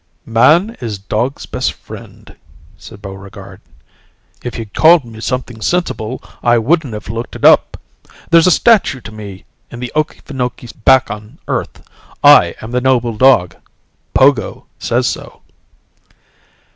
"Man is dog's best friend," said Buregarde. "If you'd called me something sensible, I wouldn't have looked it up. There is a statue to me in the Okeefenokee back on Earth. I am the noble dog. Pogo says so."